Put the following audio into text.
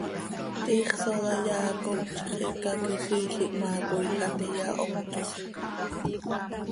Tiix sooda yaa com xicaquiziil ihmaa coi an iyahootosim.